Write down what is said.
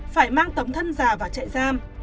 phải mang tấm thân già và chạy giam